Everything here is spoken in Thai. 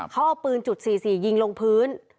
เขาเอาปืนจุด๔๔ยิงลงพื้น